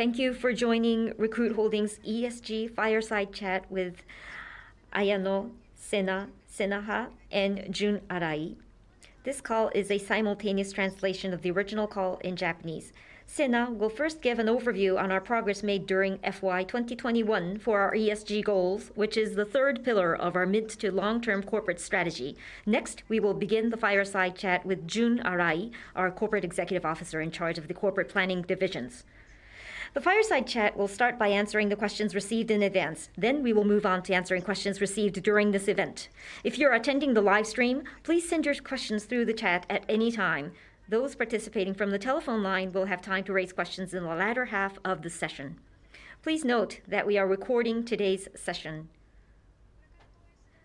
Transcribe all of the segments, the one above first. Thank you for joining Recruit Holdings ESG Fireside Chat with Ayano Senaha and Junichi Arai. This call is a simultaneous translation of the original call in Japanese. Sena will first give an overview on our progress made during FY 2021 for our ESG goals, which is the third pillar of our mid- to long-term corporate strategy. Next, we will begin the Fireside Chat with Junichi Arai, our Corporate Executive Officer in charge of the corporate planning division. The Fireside Chat will start by answering the questions received in advance. Then we will move on to answering questions received during this event. If you're attending the live stream, please send your questions through the chat at any time. Those participating from the telephone line will have time to raise questions in the latter half of the session. Please note that we are recording today's session.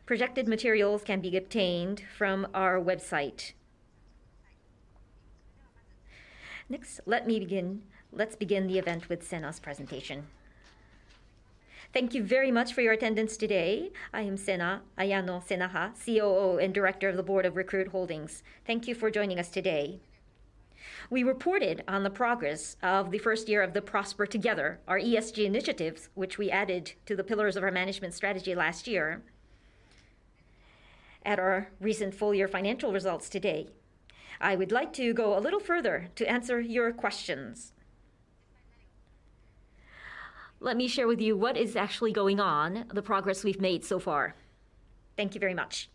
Presentation materials can be obtained from our website. Let's begin the event with Sena's presentation. Thank you very much for your attendance today. I am Sena, Ayano Senaha, COO and Director of the Board of Recruit Holdings. Thank you for joining us today. We reported on the progress of the first year of the Prosper Together, our ESG initiatives, which we added to the pillars of our management strategy last year at our recent full-year financial results today. I would like to go a little further to answer your questions. Let me share with you what is actually going on, the progress we've made so far. Thank you very much.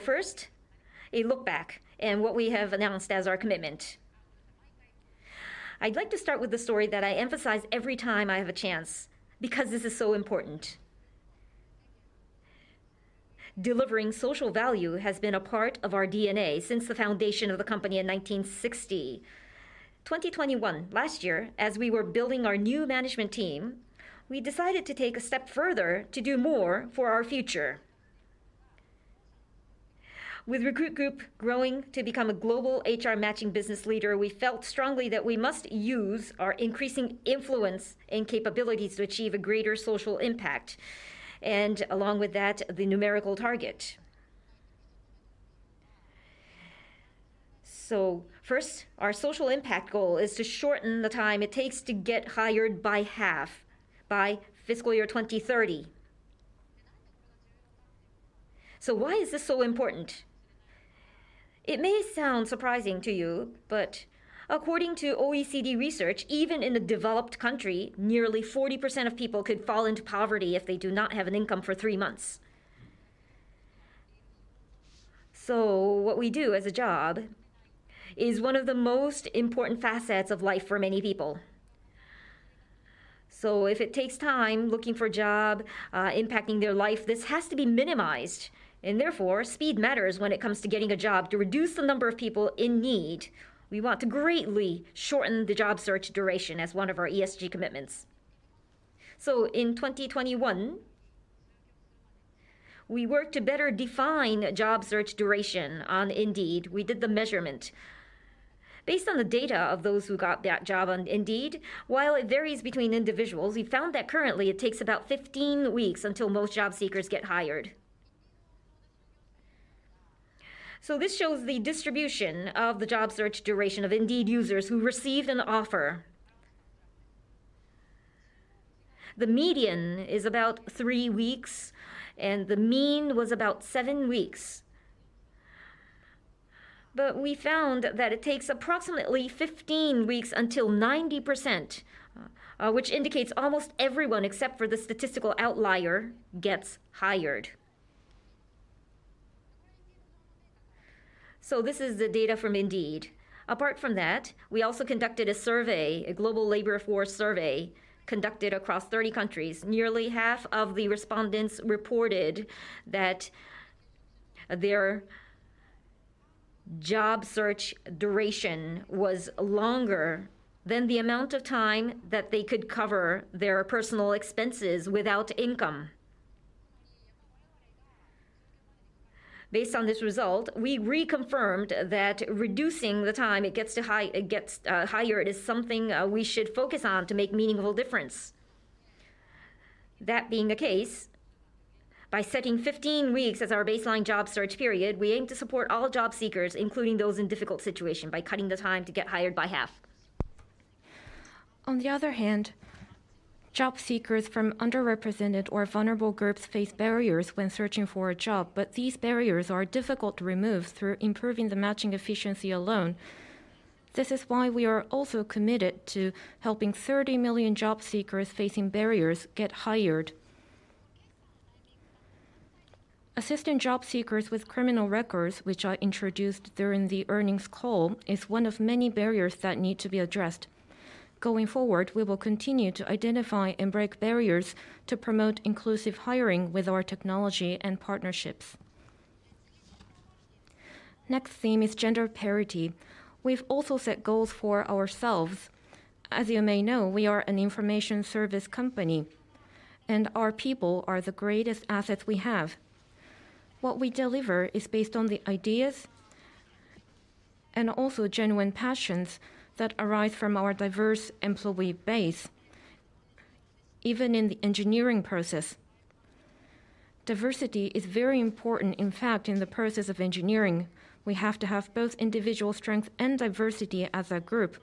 First, a look back and what we have announced as our commitment. I'd like to start with the story that I emphasize every time I have a chance because this is so important. Delivering social value has been a part of our DNA since the foundation of the company in 1960. 2021, last year, as we were building our new management team, we decided to take a step further to do more for our future. With Recruit Group growing to become a global HR matching business leader, we felt strongly that we must use our increasing influence and capabilities to achieve a greater social impact, and along with that, the numerical target. First, our social impact goal is to shorten the time it takes to get hired by half by fiscal year 2030. Why is this so important? It may sound surprising to you, but according to OECD research, even in a developed country, nearly 40% of people could fall into poverty if they do not have an income for three months. What we do as a job is one of the most important facets of life for many people. If it takes time looking for a job, impacting their life, this has to be minimized and therefore speed matters when it comes to getting a job to reduce the number of people in need. We want to greatly shorten the job search duration as one of our ESG commitments. In 2021, we worked to better define job search duration on Indeed. We did the measurement. Based on the data of those who got that job on Indeed, while it varies between individuals, we found that currently it takes about 15 weeks until most job seekers get hired. This shows the distribution of the job search duration of Indeed users who received an offer. The median is about 3 weeks, and the mean was about 7 weeks. We found that it takes approximately 15 weeks until 90%, which indicates almost everyone except for the statistical outlier gets hired. This is the data from Indeed. Apart from that, we also conducted a survey, a global labor force survey conducted across 30 countries. Nearly half of the respondents reported that their job search duration was longer than the amount of time that they could cover their personal expenses without income. Based on this result, we reconfirmed that reducing the time it gets hired is something we should focus on to make meaningful difference. That being the case, by setting 15 weeks as our baseline job search period, we aim to support all job seekers, including those in difficult situation, by cutting the time to get hired by half. On the other hand, job seekers from underrepresented or vulnerable groups face barriers when searching for a job, but these barriers are difficult to remove through improving the matching efficiency alone. This is why we are also committed to helping 30 million job seekers facing barriers get hired. Assisting job seekers with criminal records, which I introduced during the earnings call, is one of many barriers that need to be addressed. Going forward, we will continue to identify and break barriers to promote inclusive hiring with our technology and partnerships. Next theme is gender parity. We've also set goals for ourselves. As you may know, we are an information service company, and our people are the greatest asset we have. What we deliver is based on the ideas and also genuine passions that arise from our diverse employee base. Even in the engineering process. Diversity is very important. In fact, in the process of engineering, we have to have both individual strength and diversity as a group.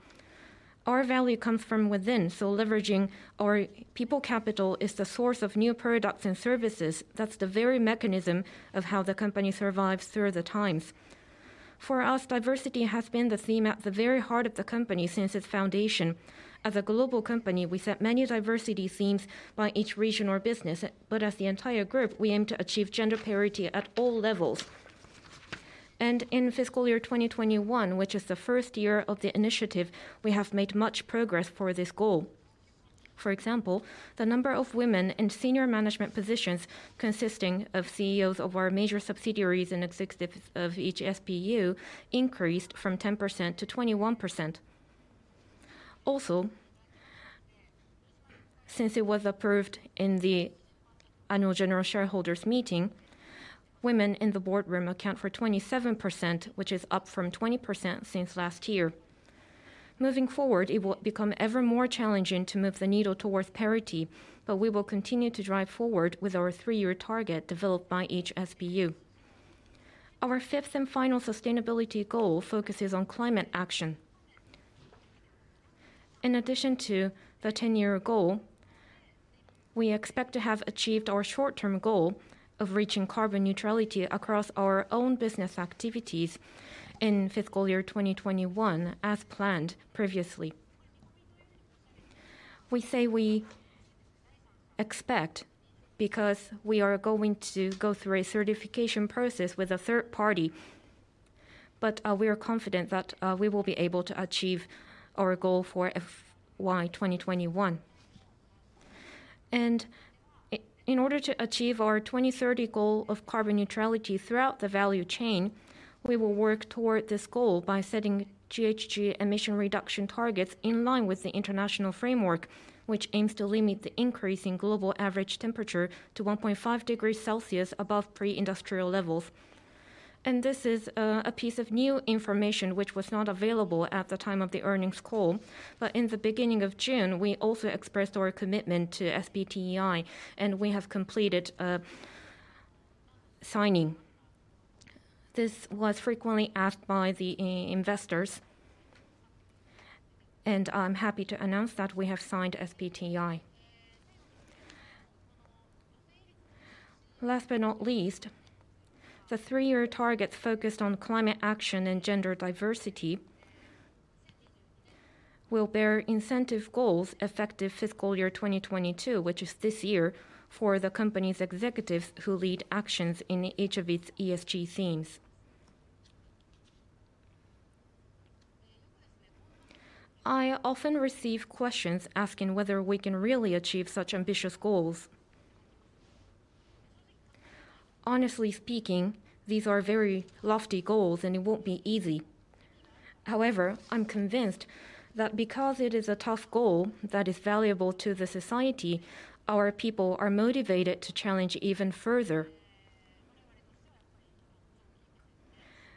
Our value comes from within, so leveraging our people capital is the source of new products and services. That's the very mechanism of how the company survives through the times. For us, diversity has been the theme at the very heart of the company since its foundation. As a global company, we set many diversity themes by each region or business, but as the entire group, we aim to achieve gender parity at all levels. In fiscal year 2021, which is the first year of the initiative, we have made much progress for this goal. For example, the number of women in senior management positions consisting of CEOs of our major subsidiaries and executives of each SBU increased from 10% to 21%. Also, since it was approved in the annual general shareholders meeting, women in the boardroom account for 27%, which is up from 20% since last year. Moving forward, it will become ever more challenging to move the needle towards parity, but we will continue to drive forward with our 3-year target developed by each SBU. Our fifth and final sustainability goal focuses on climate action. In addition to the 10-year goal, we expect to have achieved our short-term goal of reaching carbon neutrality across our own business activities in fiscal year 2021 as planned previously. We say we expect because we are going to go through a certification process with a third party, but we are confident that we will be able to achieve our goal for FY 2021. In order to achieve our 2030 goal of carbon neutrality throughout the value chain, we will work toward this goal by setting GHG emission reduction targets in line with the international framework, which aims to limit the increase in global average temperature to 1.5 degrees Celsius above pre-industrial levels. This is a piece of new information which was not available at the time of the earnings call. In the beginning of June, we also expressed our commitment to SBTi, and we have completed a signing. This was frequently asked by the investors, and I'm happy to announce that we have signed SBTi. Last but not least, the three-year targets focused on climate action and gender diversity will bear incentive goals effective fiscal year 2022, which is this year, for the company's executives who lead actions in each of its ESG themes. I often receive questions asking whether we can really achieve such ambitious goals. Honestly speaking, these are very lofty goals, and it won't be easy. However, I'm convinced that because it is a tough goal that is valuable to the society, our people are motivated to challenge even further.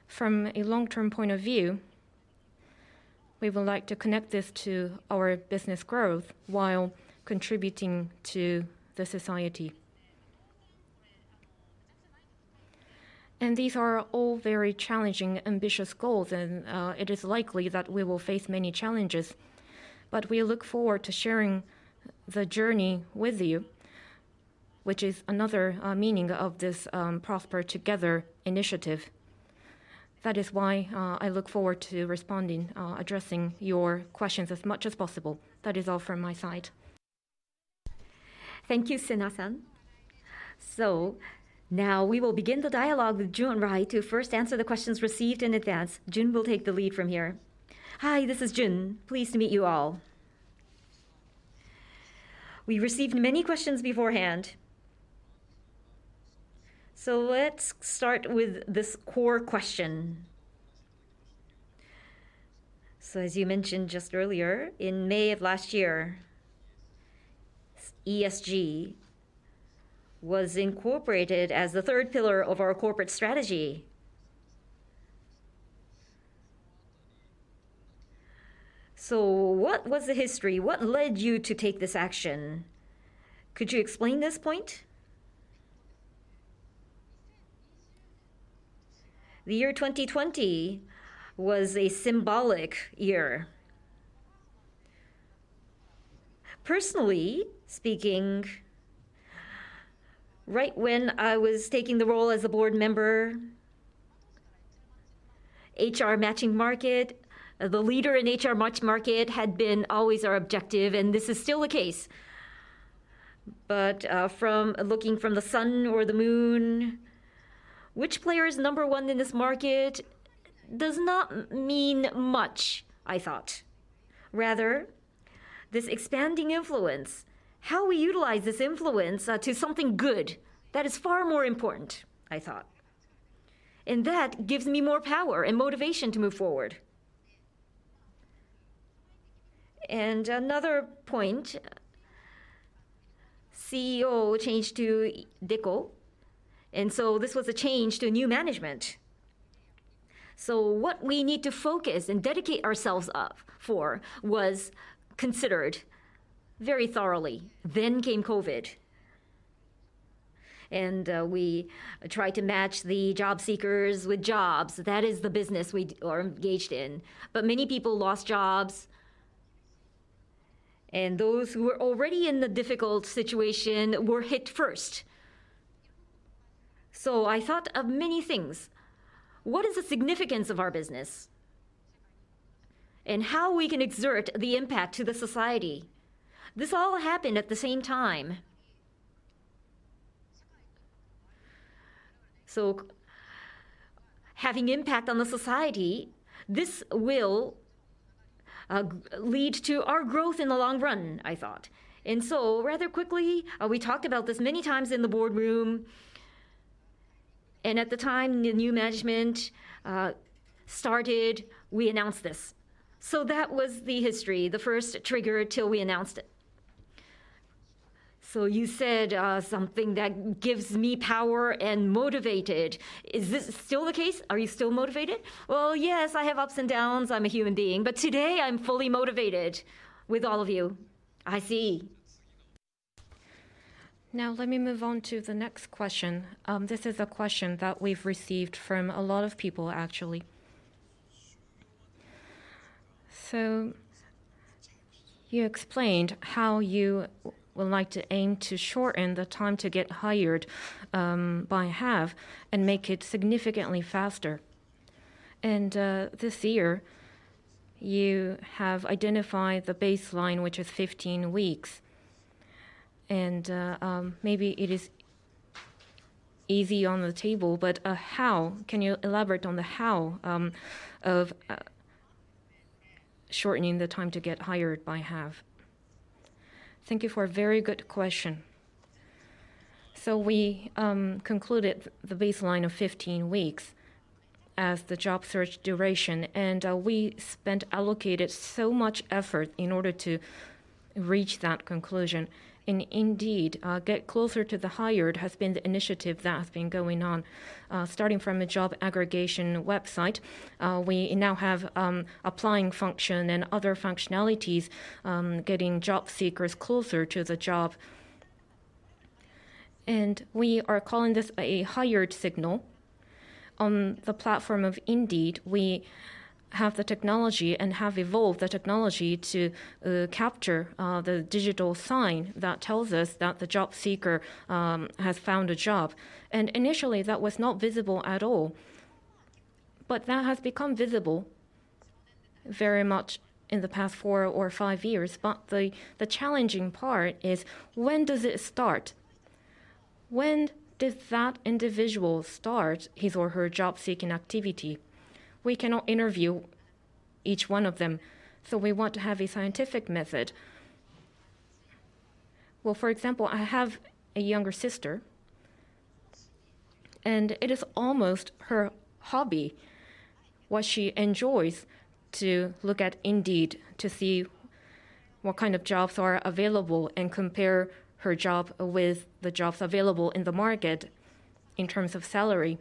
From a long-term point of view, we would like to connect this to our business growth while contributing to the society. These are all very challenging, ambitious goals and it is likely that we will face many challenges. We look forward to sharing the journey with you, which is another meaning of this Prosper Together initiative. That is why I look forward to responding, addressing your questions as much as possible. That is all from my side. Thank you, Sena-san. Now we will begin the dialogue with Jun Arai, right, to first answer the questions received in advance. Jun Arai will take the lead from here. Hi, this is Jun. Pleased to meet you all. We received many questions beforehand. Let's start with this core question. As you mentioned just earlier, in May of last year, ESG was incorporated as the third pillar of our corporate strategy. What was the history? What led you to take this action? Could you explain this point? The year 2020 was a symbolic year. Personally speaking, right when I was taking the role as a board member, HR matching market, the leader in HR matching market had been always our objective, and this is still the case. From looking from the sun or the moon, which player is number one in this market does not mean much, I thought. Rather, this expanding influence, how we utilize this influence, to something good, that is far more important, I thought. That gives me more power and motivation to move forward. Another point, CEO changed to Deko, and so this was a change to new management. What we need to focus and dedicate ourselves for was considered very thoroughly. COVID came, and we tried to match the job seekers with jobs. That is the business we are engaged in. Many people lost jobs, and those who were already in a difficult situation were hit first. I thought of many things. What is the significance of our business? How we can exert the impact on the society? This all happened at the same time. Having impact on the society will lead to our growth in the long run, I thought. Rather quickly, we talked about this many times in the boardroom, and at the time the new management started, we announced this. That was the history, the first trigger till we announced it. You said something that gives me power and motivated. Is this still the case? Are you still motivated? Well, yes, I have ups and downs. I'm a human being. Today I'm fully motivated with all of you. I see. Now let me move on to the next question. This is a question that we've received from a lot of people actually. You explained how you would like to aim to shorten the time to get hired by half and make it significantly faster. This year you have identified the baseline, which is 15 weeks. Maybe it is easy on the table, but how? Can you elaborate on the how of shortening the time to get hired by half? Thank you for a very good question. We concluded the baseline of 15 weeks as the job search duration. We allocated so much effort in order to reach that conclusion. In Indeed, Get Closer to the Hire has been the initiative that has been going on. Starting from a job aggregation website, we now have applying function and other functionalities, getting job seekers closer to the job. We are calling this a Hired Signal. On the platform of Indeed, we have the technology and have evolved the technology to capture the digital sign that tells us that the job seeker has found a job. Initially, that was not visible at all, but that has become visible very much in the past four or five years. The challenging part is when does it start? When does that individual start his or her job seeking activity? We cannot interview each one of them, so we want to have a scientific method. Well, for example, I have a younger sister, and it is almost her hobby, what she enjoys to look at Indeed to see what kind of jobs are available and compare her job with the jobs available in the market in terms of salary.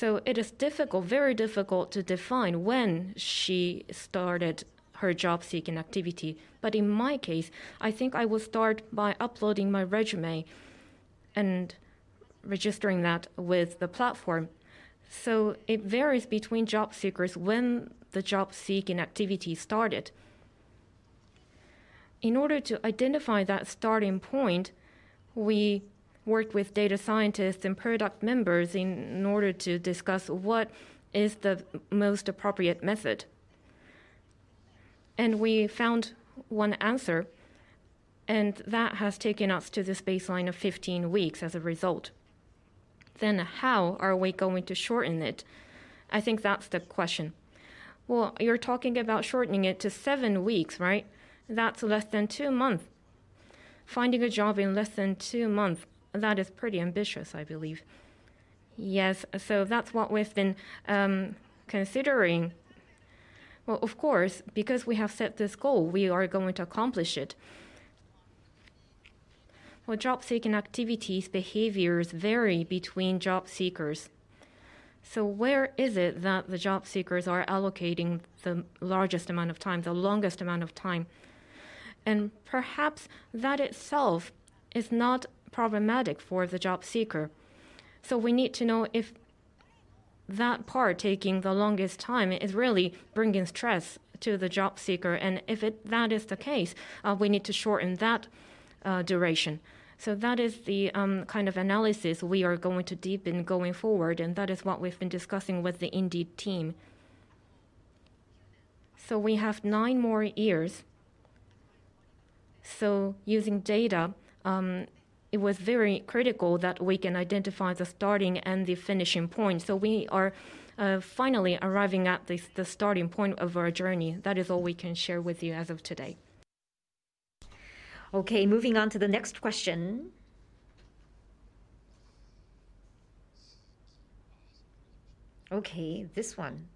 It is difficult, very difficult to define when she started her job seeking activity. In my case, I think I will start by uploading my resume and registering that with the platform. It varies between job seekers when the job seeking activity started. In order to identify that starting point, we worked with data scientists and product members in order to discuss what is the most appropriate method. We found one answer, and that has taken us to this baseline of 15 weeks as a result. How are we going to shorten it? I think that's the question. Well, you're talking about shortening it to 7 weeks, right? That's less than 2 months. Finding a job in less than 2 months, that is pretty ambitious, I believe. Yes. That's what we've been considering. Well, of course, because we have set this goal, we are going to accomplish it. Well, job seeking activities, behaviors vary between job seekers. Where is it that the job seekers are allocating the largest amount of time, the longest amount of time? Perhaps that itself is not problematic for the job seeker. We need to know if that part taking the longest time is really bringing stress to the job seeker, and if that is the case, we need to shorten that duration. That is the kind of analysis we are going to deepen going forward, and that is what we've been discussing with the Indeed team. We have 9 more years. Using data, it was very critical that we can identify the starting and the finishing point. We are finally arriving at the starting point of our journey. That is all we can share with you as of today. Okay, moving on to the next question. Okay, this one.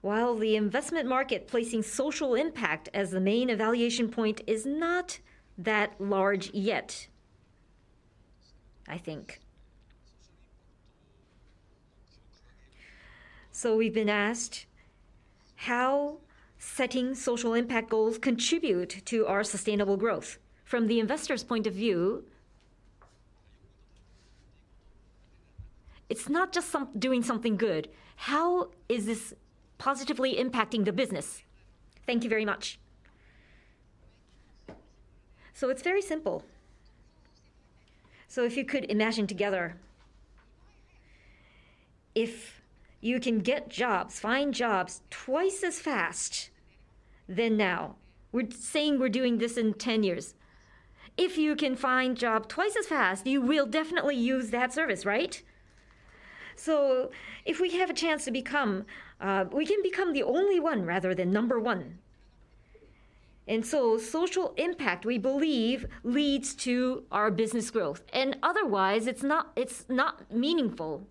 While the investment market placing social impact as the main evaluation point is not that large yet, I think. We've been asked how setting social impact goals contribute to our sustainable growth. From the investor's point of view, it's not just doing something good. How is this positively impacting the business? Thank you very much. It's very simple. If you could imagine together, if you can get jobs, find jobs twice as fast than now, we're saying we're doing this in 10 years. If you can find job twice as fast, you will definitely use that service, right? If we have a chance to become, we can become the only one rather than number one. Social impact, we believe leads to our business growth, and otherwise it's not meaningful.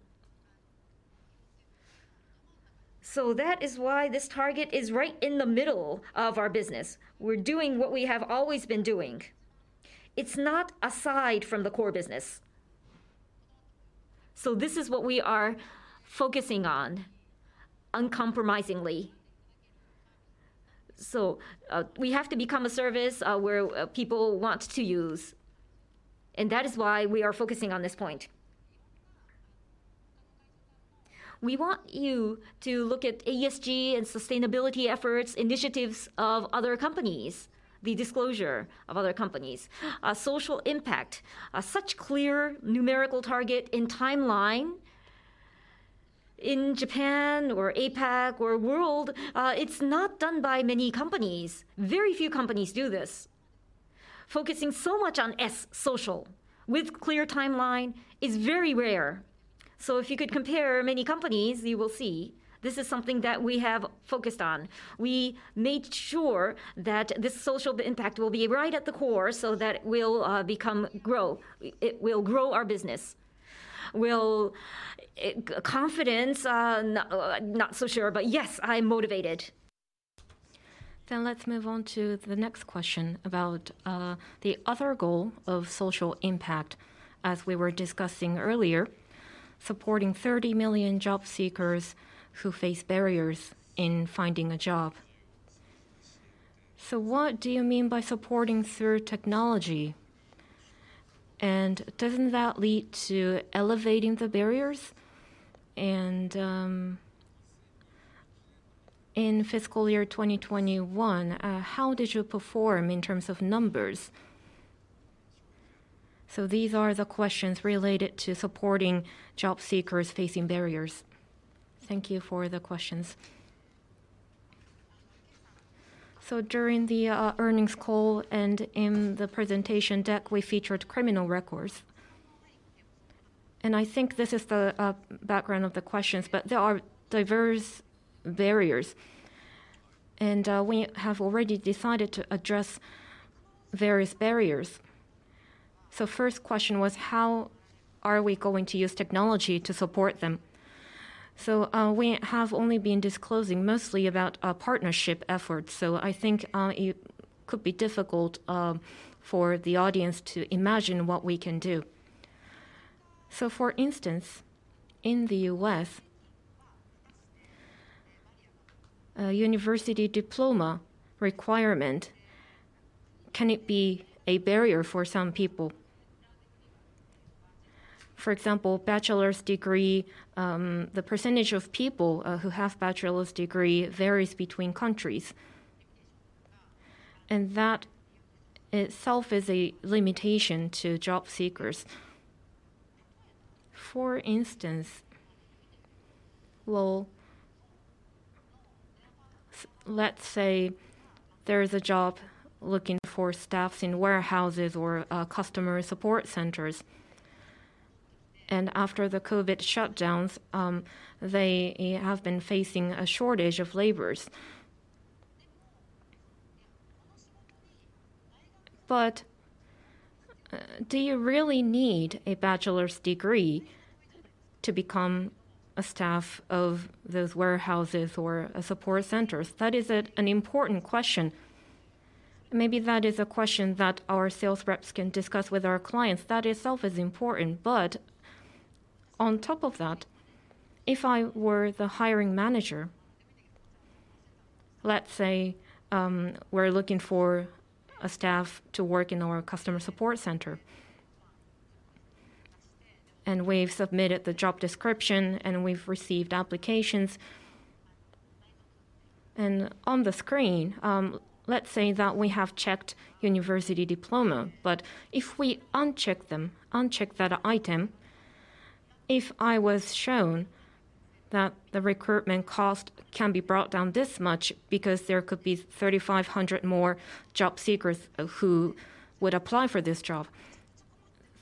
That is why this target is right in the middle of our business. We're doing what we have always been doing. It's not aside from the core business. This is what we are focusing on uncompromisingly. We have to become a service where people want to use, and that is why we are focusing on this point. We want you to look at ESG and sustainability efforts, initiatives of other companies, the disclosure of other companies. A social impact, a such clear numerical target and timeline in Japan or APAC or world, it's not done by many companies. Very few companies do this. Focusing so much on S, social, with clear timeline is very rare. If you could compare many companies, you will see this is something that we have focused on. We made sure that the social impact will be right at the core so that we'll grow. It will grow our business. With confidence? Not so sure, but yes, I'm motivated. Let's move on to the next question about the other goal of social impact. As we were discussing earlier, supporting 30 million job seekers who face barriers in finding a job. What do you mean by supporting through technology? And doesn't that lead to elevating the barriers? And in fiscal year 2021, how did you perform in terms of numbers? These are the questions related to supporting job seekers facing barriers. Thank you for the questions. During the earnings call and in the presentation deck, we featured criminal records. And I think this is the background of the questions, but there are diverse barriers, and we have already decided to address various barriers. First question was, how are we going to use technology to support them? We have only been disclosing mostly about partnership efforts. I think it could be difficult for the audience to imagine what we can do. For instance, in the U.S., a university diploma requirement, can it be a barrier for some people? For example, bachelor's degree, the percentage of people who have bachelor's degree varies between countries. That itself is a limitation to job seekers. For instance, let's say, there is a job looking for staffs in warehouses or customer support centers. After the COVID shutdowns, they have been facing a shortage of laborers. Do you really need a bachelor's degree to become a staff of those warehouses or a support centers? That is an important question. Maybe that is a question that our sales reps can discuss with our clients. That itself is important. On top of that, if I were the hiring manager, let's say, we're looking for a staff to work in our customer support center. We've submitted the job description, and we've received applications. On the screen, let's say that we have checked university diploma. If we uncheck that item, if I was shown that the recruitment cost can be brought down this much because there could be 3,500 more job seekers who would apply for this job.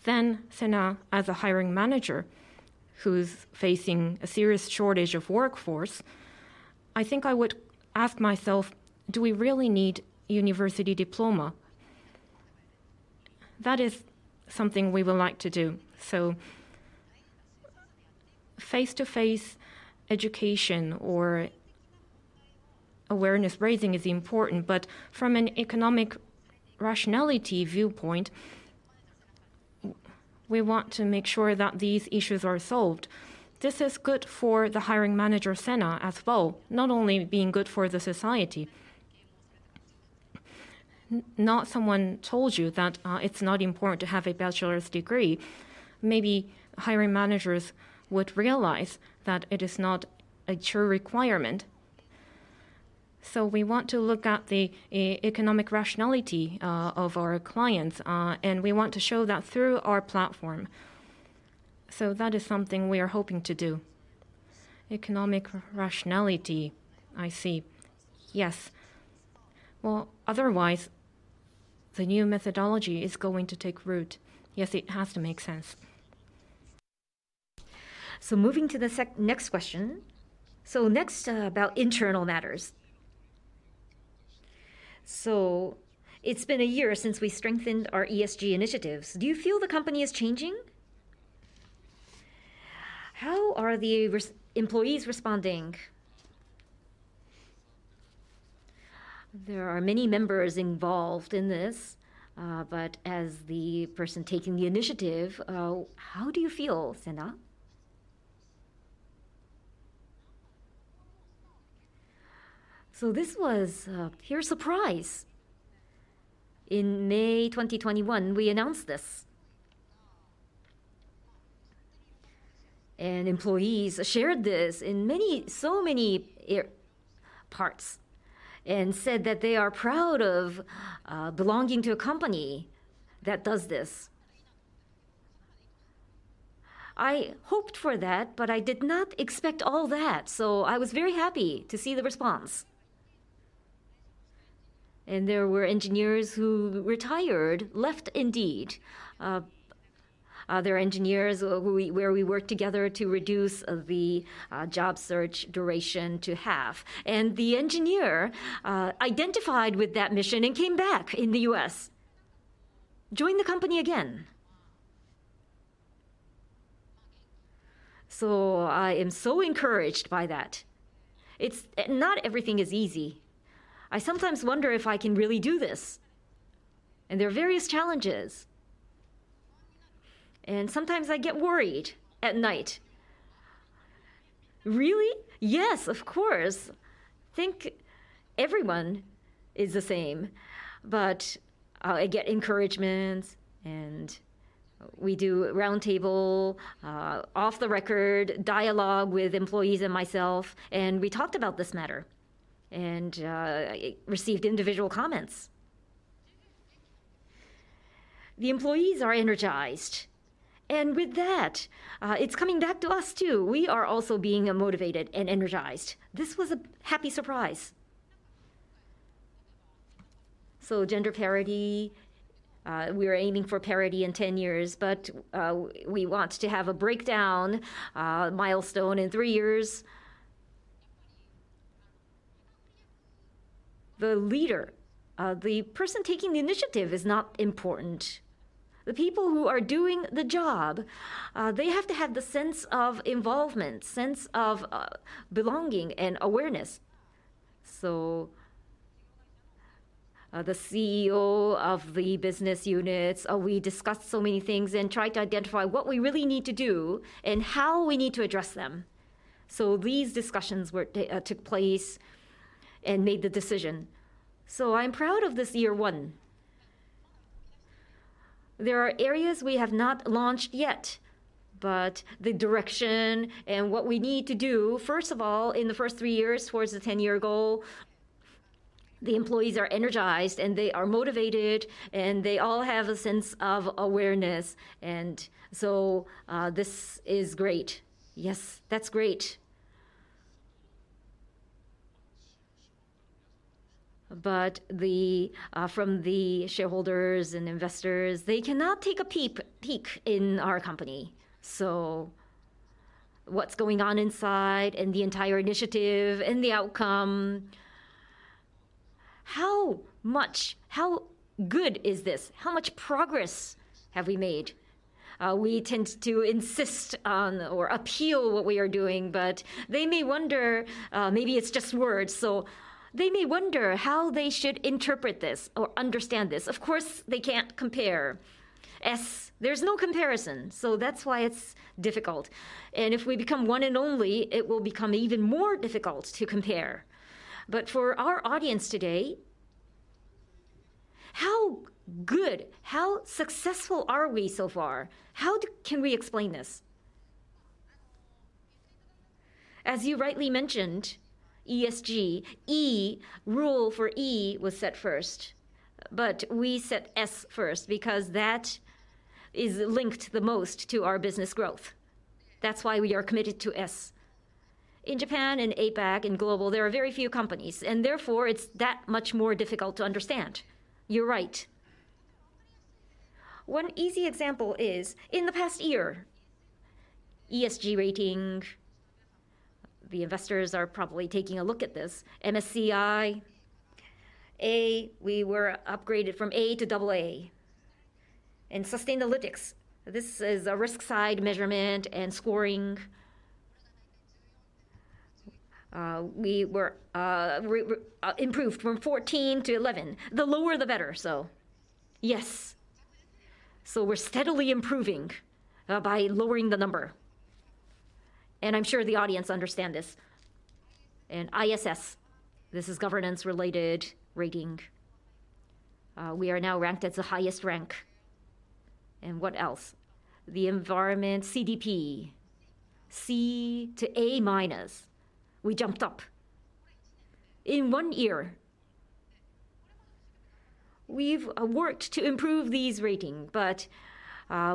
Then, Sena, as a hiring manager who's facing a serious shortage of workforce, I think I would ask myself, "Do we really need university diploma?" That is something we would like to do. Face-to-face education or awareness raising is important, but from an economic rationality viewpoint, we want to make sure that these issues are solved. This is good for the hiring manager, Sena, as well, not only being good for the society. No one told you that it's not important to have a bachelor's degree. Maybe hiring managers would realize that it is not a true requirement. We want to look at the economic rationality of our clients and we want to show that through our platform. That is something we are hoping to do. Economic rationality. I see. Yes. Well, otherwise, the new methodology is going to take root. Yes, it has to make sense. Moving to the next question. Next, about internal matters. It's been a year since we strengthened our ESG initiatives. Do you feel the company is changing? How are the employees responding? There are many members involved in this, but as the person taking the initiative, how do you feel, Ayano Senaha? This was a pure surprise. In May 2021, we announced this. Employees shared this in many so many parts and said that they are proud of belonging to a company that does this. I hoped for that, but I did not expect all that, so I was very happy to see the response. There were engineers who retired, left Indeed. Other engineers where we worked together to reduce the job search duration to half. The engineer identified with that mission and came back in the U.S., joined the company again. I am so encouraged by that. Not everything is easy. I sometimes wonder if I can really do this, and there are various challenges, and sometimes I get worried at night. Really? Yes, of course. Think everyone is the same. I get encouragements, and we do roundtable off the record dialogue with employees and myself, and we talked about this matter and received individual comments. The employees are energized, and with that, it's coming back to us too. We are also being motivated and energized. This was a happy surprise. Gender parity, we are aiming for parity in 10 years, but we want to have a breakdown milestone in 3 years. The leader, the person taking the initiative is not important. The people who are doing the job, they have to have the sense of involvement, sense of belonging and awareness. The CEO of the business units, we discussed so many things and tried to identify what we really need to do and how we need to address them. These discussions took place and made the decision. I'm proud of this year 1. There are areas we have not launched yet, but the direction and what we need to do, first of all, in the first three years towards the ten-year goal, the employees are energized, and they are motivated, and they all have a sense of awareness. This is great. Yes. That's great. From the shareholders and investors, they cannot take a peek in our company. What's going on inside and the entire initiative and the outcome, how good is this? How much progress have we made? We tend to insist on or appeal what we are doing, but they may wonder, maybe it's just words. They may wonder how they should interpret this or understand this. Of course, they can't compare. There's no comparison, so that's why it's difficult. If we become one and only, it will become even more difficult to compare. For our audience today, how good, how successful are we so far? How can we explain this? As you rightly mentioned, ESG, E, rule for E was set first, but we set S first because that is linked the most to our business growth. That's why we are committed to S. In Japan and APAC and global, there are very few companies, and therefore, it's that much more difficult to understand. You're right. One easy example is in the past year, ESG ratings. The investors are probably taking a look at this. MSCI A, we were upgraded from A to double A. Sustainalytics, this is a risk side measurement and scoring. We improved from 14 to 11. The lower the better. Yes. We're steadily improving by lowering the number, and I'm sure the audience understand this. ISS, this is governance related rating. We are now ranked as the highest rank. What else? The environmental CDP C to A-. We jumped up in one year. We've worked to improve these ratings, but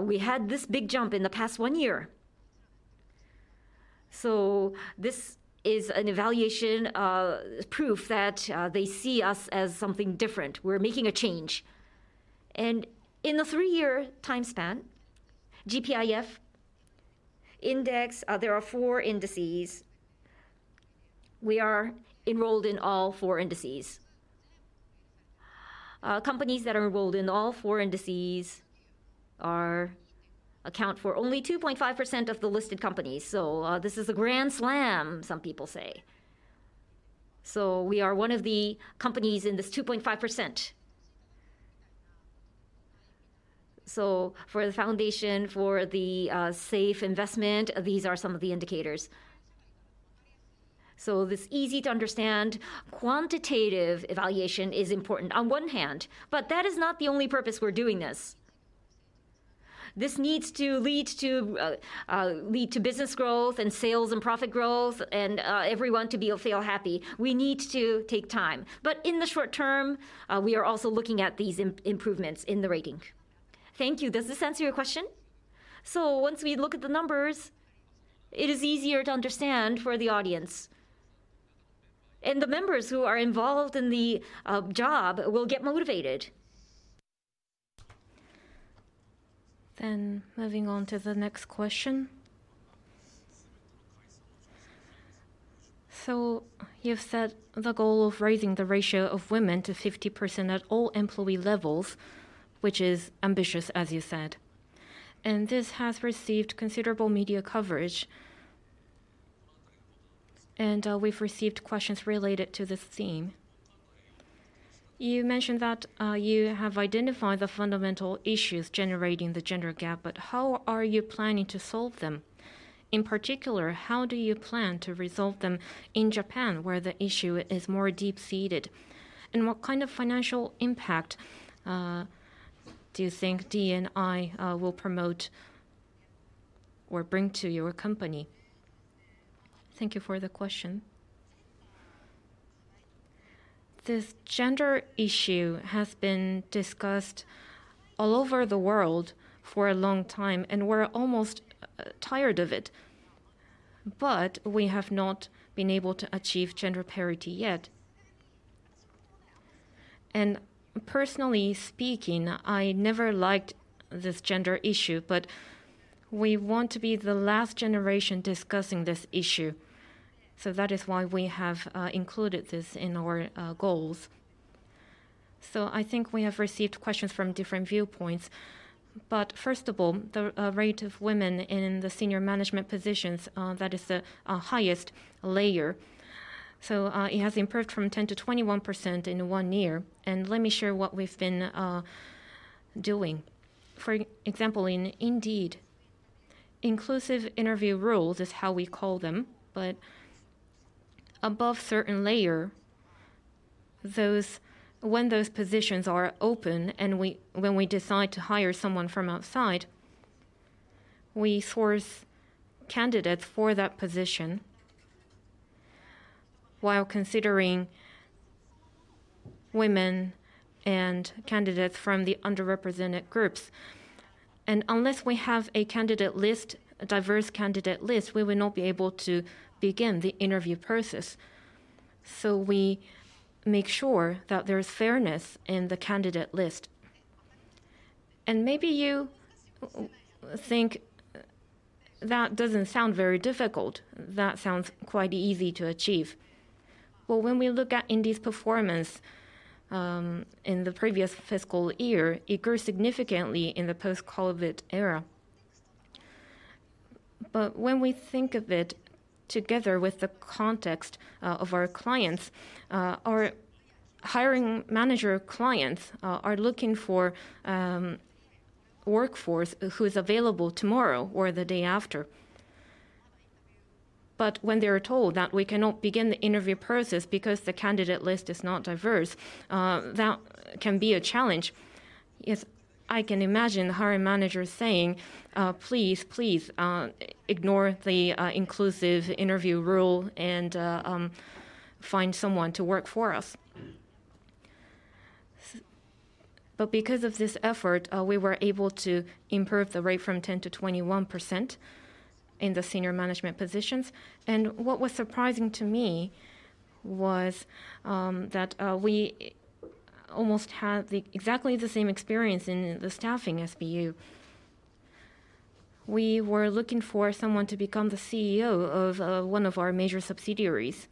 we had this big jump in the past one year. This is an evaluation proof that they see us as something different. We're making a change. In the three-year time span, GPIF index, there are four indices. We are enrolled in all four indices. Companies that are enrolled in all four indices account for only 2.5% of the listed companies. This is a grand slam, some people say. We are one of the companies in this 2.5%. For the foundation, for the safe investment, these are some of the indicators. This easy to understand quantitative evaluation is important on one hand, but that is not the only purpose we're doing this. This needs to lead to business growth and sales and profit growth and everyone to feel happy. We need to take time. In the short term, we are also looking at these improvements in the rating. Thank you. Does this answer your question? Once we look at the numbers, it is easier to understand for the audience, and the members who are involved in the job will get motivated. Moving on to the next question. You've set the goal of raising the ratio of women to 50% at all employee levels, which is ambitious, as you said, and this has received considerable media coverage. We've received questions related to this theme. You mentioned that you have identified the fundamental issues generating the gender gap, but how are you planning to solve them? In particular, how do you plan to resolve them in Japan, where the issue is more deep-seated? What kind of financial impact do you think D&I will promote or bring to your company? Thank you for the question. This gender issue has been discussed all over the world for a long time, and we're almost tired of it, but we have not been able to achieve gender parity yet. Personally speaking, I never liked this gender issue, but we want to be the last generation discussing this issue. That is why we have included this in our goals. I think we have received questions from different viewpoints. First of all, the rate of women in the senior management positions, that is the highest layer. It has improved from 10 to 21% in one year. Let me share what we've been doing. For example, in Indeed, inclusive interview rules is how we call them, but above certain layer, those positions are open and when we decide to hire someone from outside, we source candidates for that position while considering women and candidates from the underrepresented groups. Unless we have a candidate list, a diverse candidate list, we will not be able to begin the interview process. We make sure that there's fairness in the candidate list. Maybe you think that doesn't sound very difficult. That sounds quite easy to achieve. When we look at Indeed's performance in the previous fiscal year, it grew significantly in the post-COVID era. When we think of it together with the context of our clients, our hiring manager clients are looking for workforce who is available tomorrow or the day after. When they are told that we cannot begin the interview process because the candidate list is not diverse, that can be a challenge. Yes, I can imagine hiring managers saying, "Please, ignore the inclusive interview rule and find someone to work for us." Because of this effort, we were able to improve the rate from 10%-21% in the senior management positions. What was surprising to me was that we almost had exactly the same experience in the Staffing SBU. We were looking for someone to become the CEO of one of our major subsidiaries.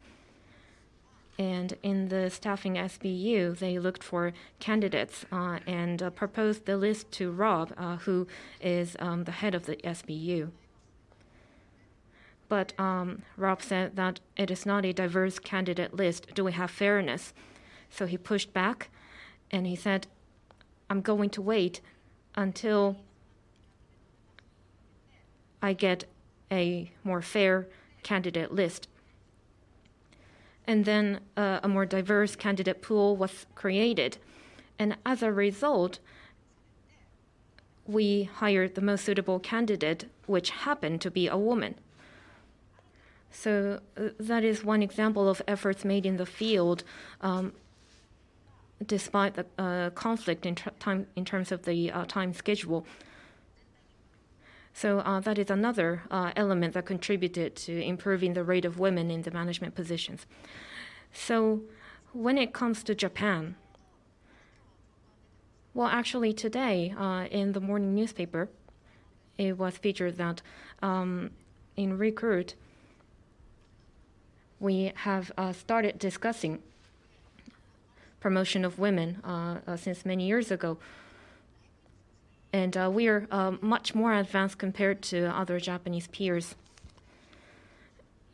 In the Staffing SBU, they looked for candidates and proposed the list to Rob, who is the head of the SBU. Rob said that it is not a diverse candidate list. Do we have fairness? He pushed back and he said, "I'm going to wait until I get a more fair candidate list." Then a more diverse candidate pool was created, and as a result, we hired the most suitable candidate, which happened to be a woman. That is one example of efforts made in the field, despite the conflict in terms of the time schedule. That is another element that contributed to improving the rate of women in the management positions. When it comes to Japan, well, actually today, in the morning newspaper, it was featured that in Recruit, we have started discussing promotion of women since many years ago. We are much more advanced compared to other Japanese peers,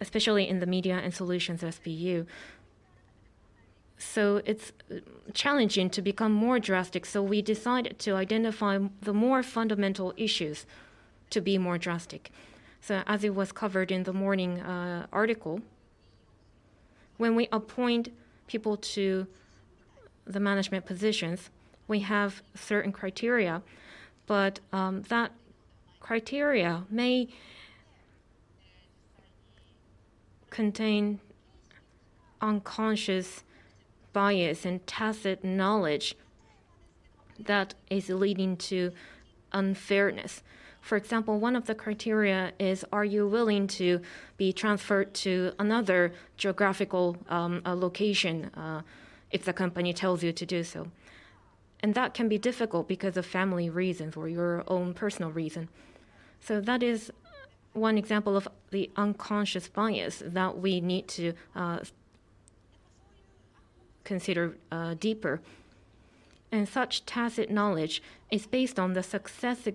especially in the Matching & Solutions SBU. It's challenging to become more drastic, so we decided to identify the more fundamental issues to be more drastic. As it was covered in the morning article, when we appoint people to the management positions, we have certain criteria, but that criteria may contain unconscious bias and tacit knowledge that is leading to unfairness. For example, one of the criteria is, are you willing to be transferred to another geographical location if the company tells you to do so? That can be difficult because of family reasons or your own personal reason. That is one example of the unconscious bias that we need to consider deeper. Such tacit knowledge is based on the successful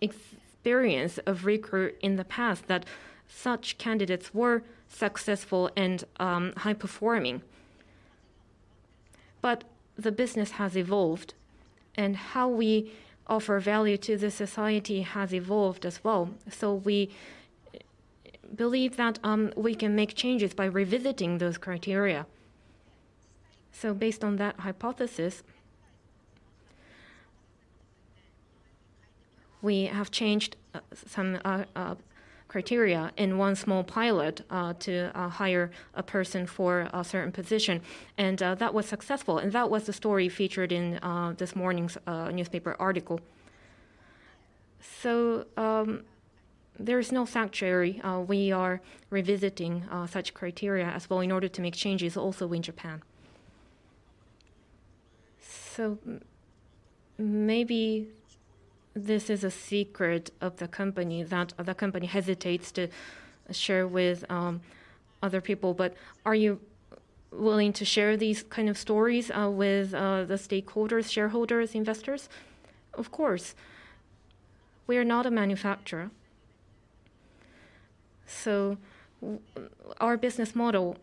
experience of Recruit in the past that such candidates were successful and high-performing. The business has evolved, and how we offer value to the society has evolved as well. We believe that we can make changes by revisiting those criteria. Based on that hypothesis, we have changed some criteria in one small pilot to hire a person for a certain position, and that was successful, and that was the story featured in this morning's newspaper article. There is no sanctuary. We are revisiting such criteria as well in order to make changes also in Japan. Maybe this is a secret of the company that the company hesitates to share with other people, but are you willing to share these kind of stories with the stakeholders, shareholders, investors? Of course. We are not a manufacturer, so our business model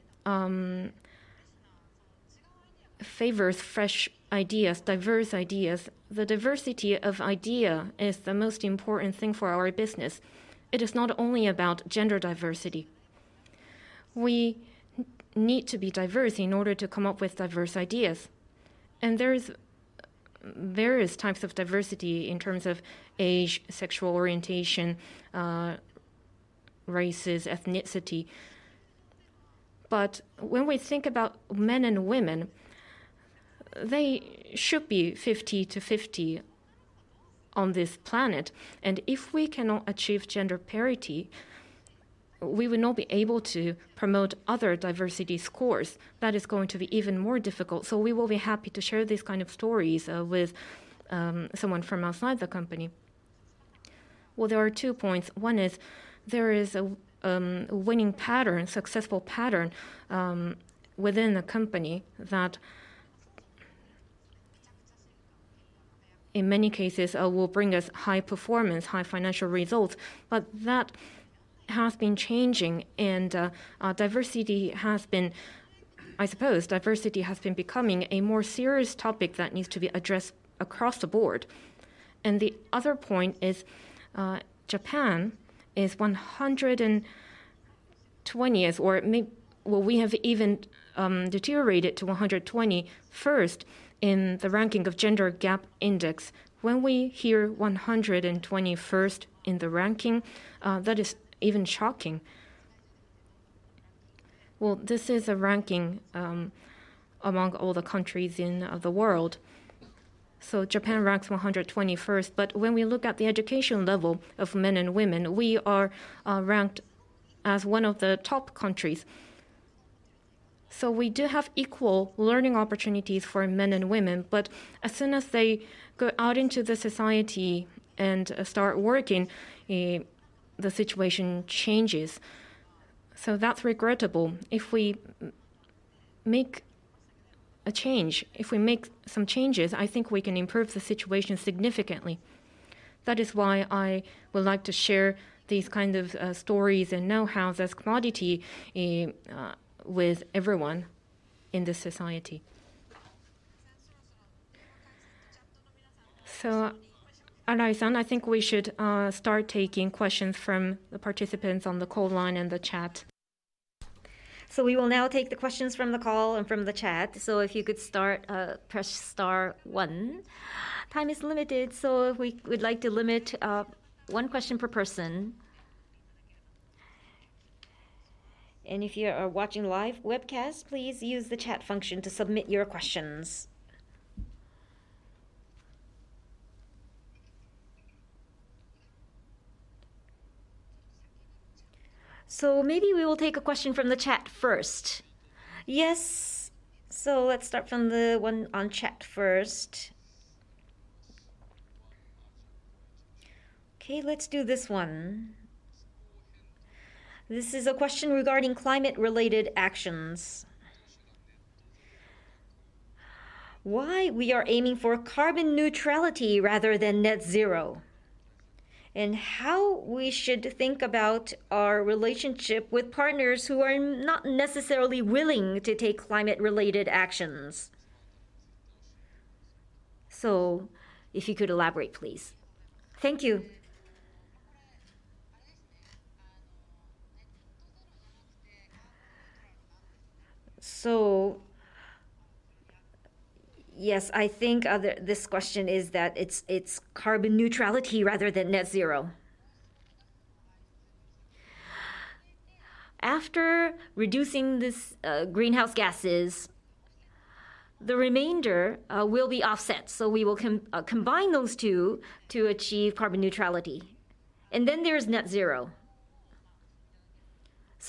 favors fresh ideas, diverse ideas. The diversity of idea is the most important thing for our business. It is not only about gender diversity. We need to be diverse in order to come up with diverse ideas, and there is various types of diversity in terms of age, sexual orientation, races, ethnicity. When we think about men and women, they should be 50-50 on this planet, and if we cannot achieve gender parity, we will not be able to promote other diversity scores. That is going to be even more difficult. We will be happy to share these kind of stories with someone from outside the company. Well, there are two points. One is there is a winning pattern, successful pattern, within a company that in many cases will bring us high performance, high financial results, but that has been changing and diversity has been, I suppose, becoming a more serious topic that needs to be addressed across the board. The other point is, Japan is 120th. We have even deteriorated to 121st in the ranking of Gender Gap Index. When we hear 121st in the ranking, that is even shocking. This is a ranking among all the countries in the world. Japan ranks 121st, but when we look at the education level of men and women, we are ranked as one of the top countries. We do have equal learning opportunities for men and women, but as soon as they go out into the society and start working, the situation changes. That's regrettable. If we make a change, if we make some changes, I think we can improve the situation significantly. That is why I would like to share these kind of stories and knowhows as quality with everyone in the society. Arai-san, I think we should start taking questions from the participants on the call line and the chat. We will now take the questions from the call and from the chat. If you could start, press star one. Time is limited, so we'd like to limit one question per person. If you are watching live webcast, please use the chat function to submit your questions. Maybe we will take a question from the chat first. Yes. Let's start from the one on chat first. Okay, let's do this one. This is a question regarding climate related actions. Why we are aiming for carbon neutrality rather than net zero, and how we should think about our relationship with partners who are not necessarily willing to take climate related actions? If you could elaborate, please. Thank you. Yes, I think this question is that it's carbon neutrality rather than net zero. After reducing these greenhouse gases, the remainder will be offset. We will combine those two to achieve carbon neutrality, and then there is net zero.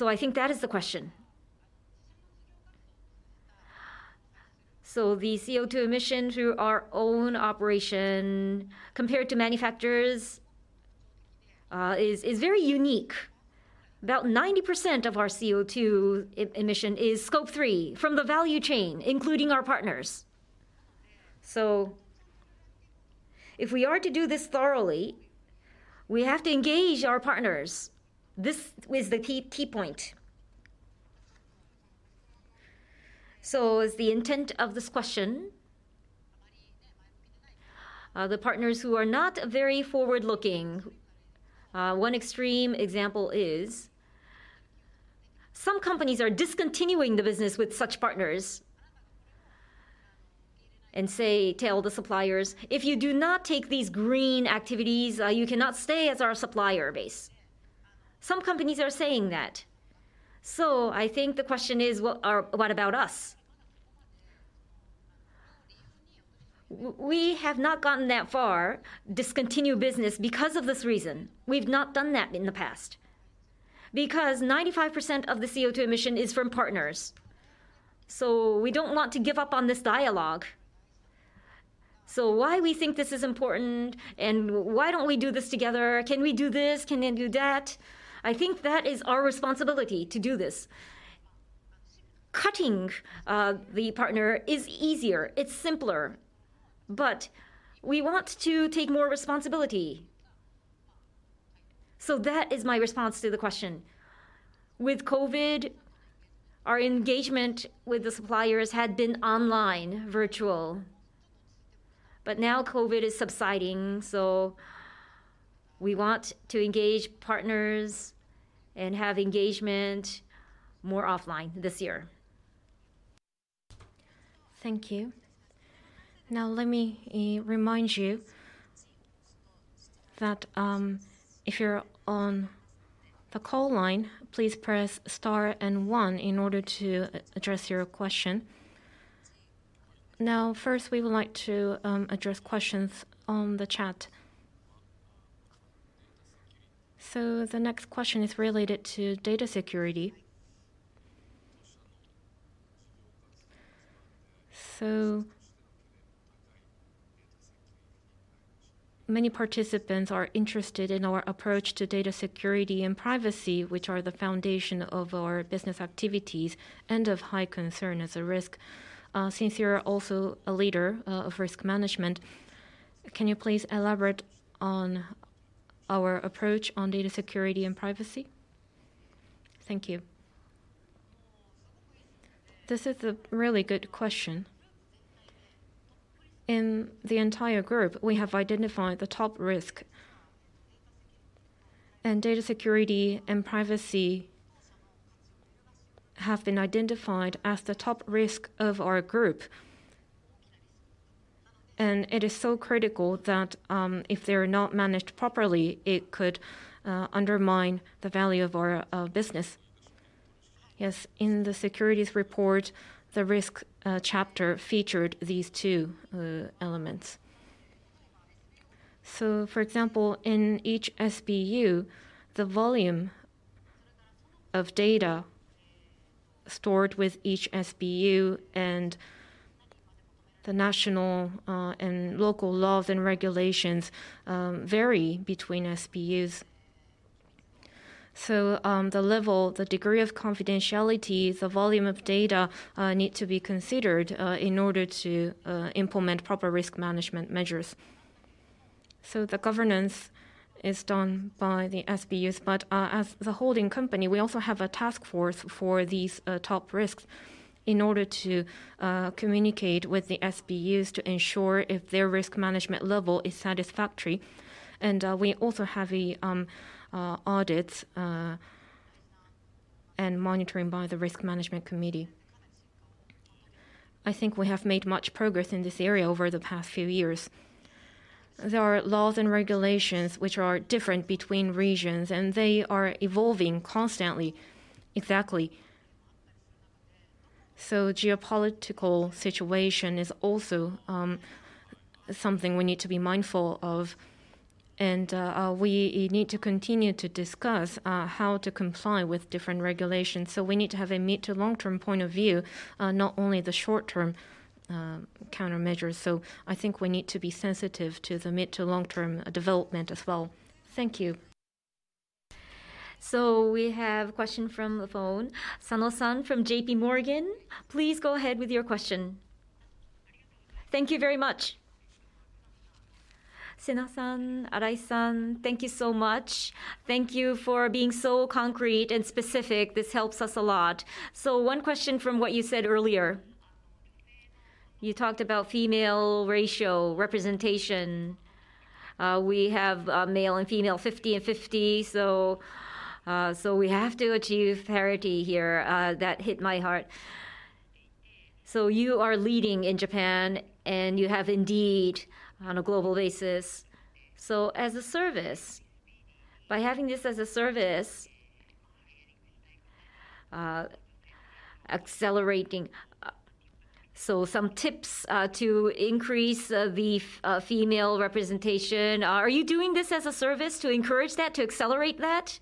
I think that is the question. The CO2 emission through our own operation compared to manufacturers is very unique. About 90% of our CO2 emission is Scope 3 from the value chain, including our partners. If we are to do this thoroughly, we have to engage our partners. This is the key point. As the intent of this question, the partners who are not very forward-looking. One extreme example is some companies are discontinuing the business with such partners and tell the suppliers, "If you do not take these green activities, you cannot stay as our supplier base." Some companies are saying that. I think the question is, what about us? We have not gotten that far to discontinue business because of this reason. We've not done that in the past. 95% of the CO2 emission is from partners, so we don't want to give up on this dialogue. That's why we think this is important, and why don't we do this together? Can we do this? Can you do that? I think that is our responsibility to do this. Cutting the partner is easier, it's simpler, but we want to take more responsibility. That is my response to the question. With COVID, our engagement with the suppliers had been online, virtual. Now COVID is subsiding, so we want to engage partners and have more engagement offline this year. Thank you. Now let me remind you that if you're on the call line, please press star and one in order to address your question. Now, first we would like to address questions on the chat. The next question is related to data security. Many participants are interested in our approach to data security and privacy, which are the foundation of our business activities and of high concern as a risk. Since you're also a leader of risk management, can you please elaborate on our approach to data security and privacy? Thank you. This is a really good question. In the entire group, we have identified the top risk, and data security and privacy have been identified as the top risk of our group. It is so critical that if they're not managed properly, it could undermine the value of our business. Yes, in the securities report, the risk chapter featured these two elements. For example, in each SBU, the volume of data stored with each SBU and the national and local laws and regulations vary between SBUs. The level, the degree of confidentiality, the volume of data need to be considered in order to implement proper risk management measures. The governance is done by the SBUs. As the holding company, we also have a task force for these top risks in order to communicate with the SBUs to ensure if their risk management level is satisfactory. We also have audits and monitoring by the risk management committee. I think we have made much progress in this area over the past few years. There are laws and regulations which are different between regions, and they are evolving constantly. Exactly. Geopolitical situation is also something we need to be mindful of. We need to continue to discuss how to comply with different regulations. We need to have a mid to long-term point of view, not only the short-term, countermeasures. I think we need to be sensitive to the mid to long-term development as well. Thank you. We have question from the phone. Sano-san from J.P. Morgan, please go ahead with your question. Thank you very much. Sena-san, Arai-san, thank you so much. Thank you for being so concrete and specific. This helps us a lot. One question from what you said earlier. You talked about female ratio representation. We have male and female 50/50, so we have to achieve parity here. That hit my heart. You are leading in Japan, and you have Indeed on a global basis. As a service, by having this as a service, some tips to increase the female representation. Are you doing this as a service to encourage that, to accelerate that?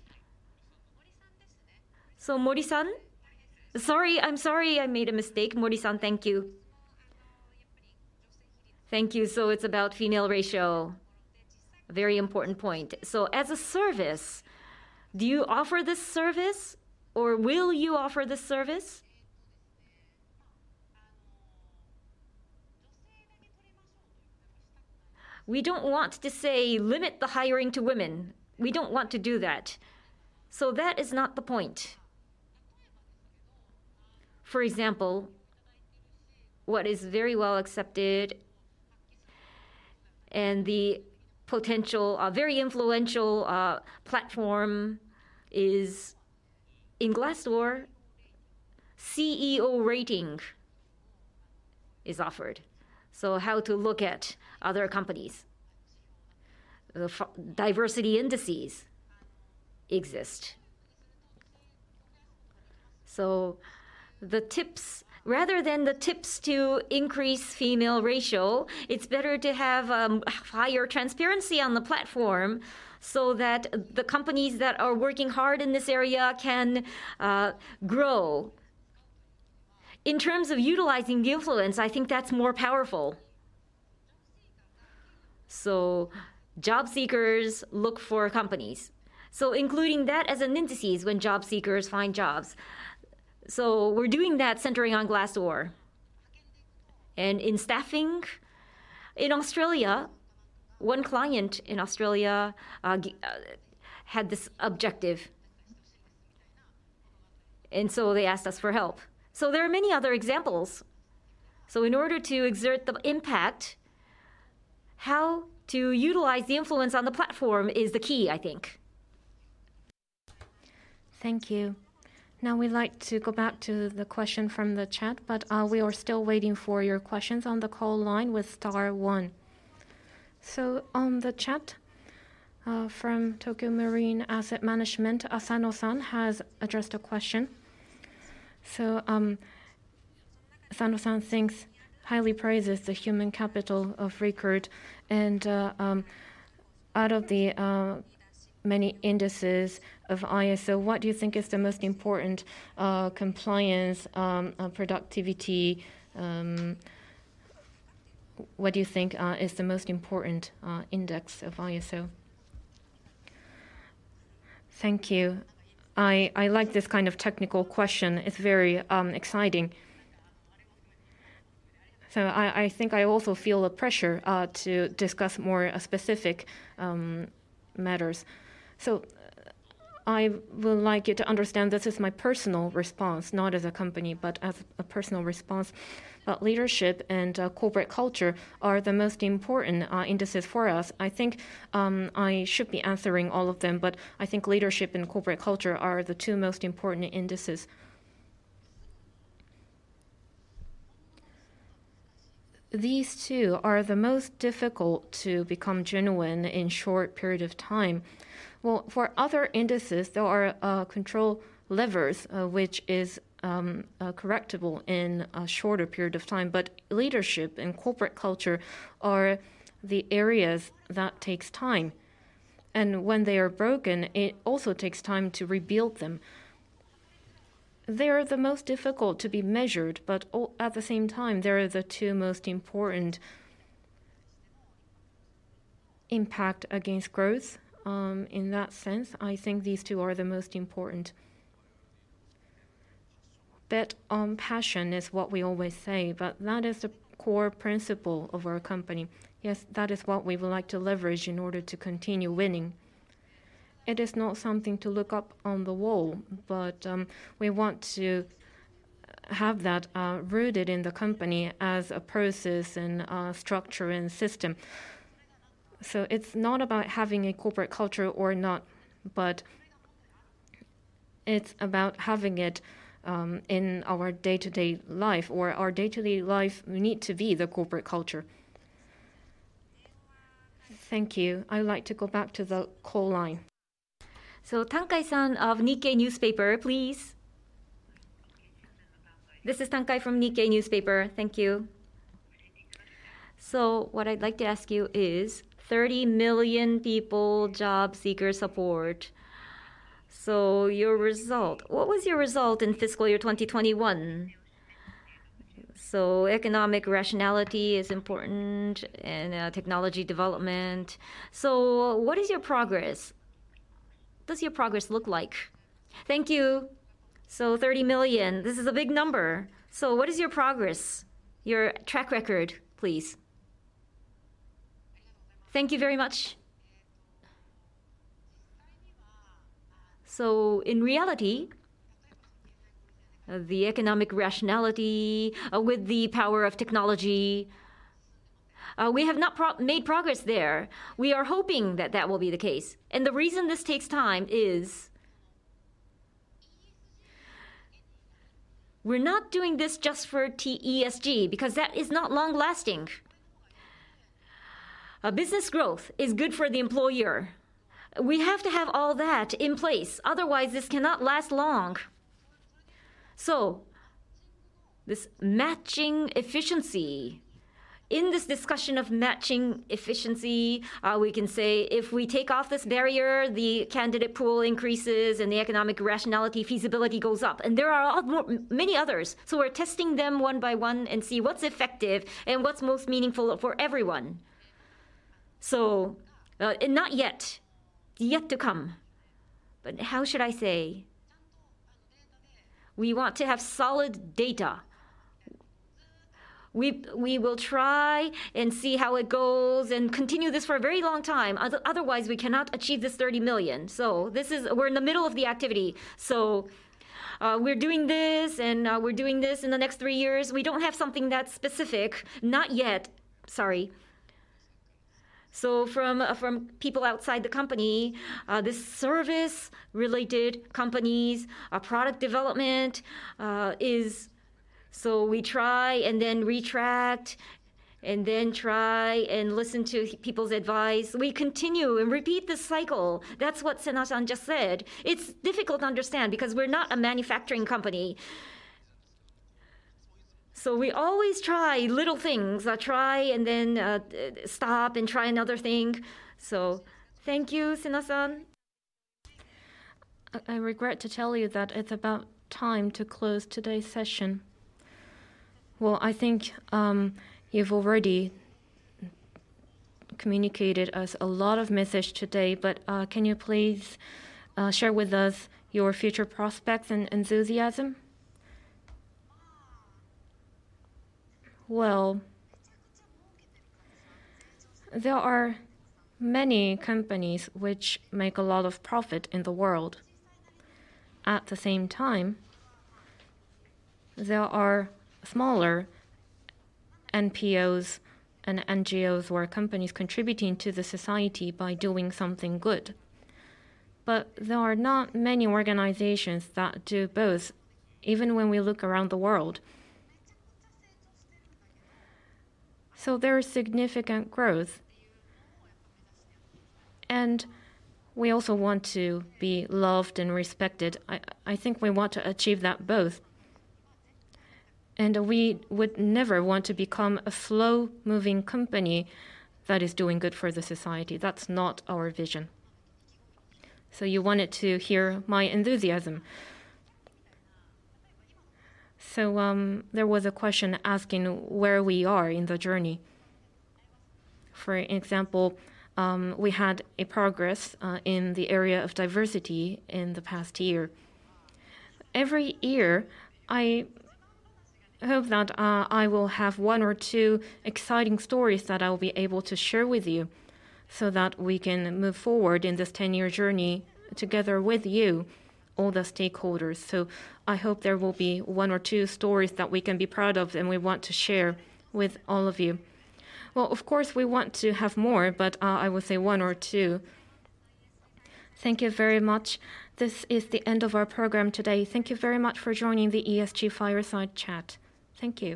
Mori-san? Sorry, I'm sorry, I made a mistake. Mori-san, thank you. Thank you. It's about female ratio. Very important point. As a service, do you offer this service or will you offer this service? We don't want to say limit the hiring to women. We don't want to do that. That is not the point. For example, what is very well accepted and the potential, a very influential platform is in Glassdoor, CEO rating is offered. How to look at other companies. The diversity indices exist. Rather than tips to increase female ratio, it's better to have higher transparency on the platform so that the companies that are working hard in this area can grow. In terms of utilizing the influence, I think that's more powerful. Job seekers look for companies. Including that as indices when job seekers find jobs. We're doing that centering on Glassdoor. In staffing, in Australia, one client in Australia had this objective. They asked us for help. There are many other examples. In order to exert the impact, how to utilize the influence on the platform is the key, I think. Thank you. Now we'd like to go back to the question from the chat, but we are still waiting for your questions on the call line with star one. On the chat, from Tokio Marine Asset Management, Asano-san has addressed a question. Asano-san thinks, highly praises the human capital of Recruit and, out of the many indices of ISO, what do you think is the most important, compliance, productivity? What do you think is the most important index of ISO? Thank you. I like this kind of technical question. It's very exciting. I think I also feel the pressure to discuss more specific matters. I would like you to understand this is my personal response, not as a company, but as a personal response. Leadership and corporate culture are the most important indices for us. I think I should be answering all of them, but I think leadership and corporate culture are the two most important indices. These two are the most difficult to become genuine in short period of time. Well, for other indices, there are control levers which is correctable in a shorter period of time. Leadership and corporate culture are the areas that takes time. When they are broken, it also takes time to rebuild them. They are the most difficult to be measured, but at the same time, they are the two most important impact against growth. In that sense, I think these two are the most important. Bet on Passion is what we always say, but that is the core principle of our company. Yes, that is what we would like to leverage in order to continue winning. It is not something to look up on the wall, but we want to have that rooted in the company as a process and a structure and system. It's not about having a corporate culture or not, but it's about having it in our day-to-day life, or our day-to-day life need to be the corporate culture. Thank you. I would like to go back to the call line. Tankai-san of Nikkei Newspaper, please. This is Tankai from Nikkei Newspaper. Thank you. What I'd like to ask you is 30 million people job seeker support. Your result. What was your result in fiscal year 2021? Economic rationality is important and technology development. What is your progress? What does your progress look like? Thank you. 30 million, this is a big number. What is your progress, your track record, please? Thank you very much. In reality, the economic rationality, with the power of technology, we have not made progress there. We are hoping that that will be the case. The reason this takes time is we're not doing this just for ESG, because that is not long-lasting. Business growth is good for the employer. We have to have all that in place, otherwise this cannot last long. This matching efficiency. In this discussion of matching efficiency, we can say if we take off this barrier, the candidate pool increases and the economic rationality feasibility goes up. There are a lot more, many others. We're testing them one by one and see what's effective and what's most meaningful for everyone. Not yet. Yet to come. How should I say? We want to have solid data. We will try and see how it goes and continue this for a very long time otherwise we cannot achieve this 30 million. This is. We're in the middle of the activity. We're doing this and we're doing this in the next three years. We don't have something that specific. Not yet. Sorry. From people outside the company, these service-related companies, our product development is. We try and then react and then try and listen to people's advice. We continue and repeat this cycle. That's what Sena-san just said. It's difficult to understand because we're not a manufacturing company. We always try little things. Try and then stop and try another thing. Thank you, Sena-san. I regret to tell you that it's about time to close today's session. Well, I think, you've already communicated us a lot of message today. Can you please share with us your future prospects and enthusiasm? Well, there are many companies which make a lot of profit in the world. At the same time, there are smaller NPOs and NGOs or companies contributing to the society by doing something good. There are not many organizations that do both, even when we look around the world. There is significant growth. We also want to be loved and respected. I think we want to achieve that both. We would never want to become a slow-moving company that is doing good for the society. That's not our vision. You wanted to hear my enthusiasm. There was a question asking where we are in the journey. For example, we had a progress in the area of diversity in the past year. Every year, I hope that I will have one or two exciting stories that I'll be able to share with you so that we can move forward in this ten-year journey together with you, all the stakeholders. I hope there will be one or two stories that we can be proud of and we want to share with all of you. Well, of course, we want to have more, but I will say one or two. Thank you very much. This is the end of our program today. Thank you very much for joining the ESG Fireside Chat. Thank you.